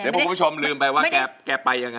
เดี๋ยวพระคุณผู้ชมลืมไปว่าแกไปยังไง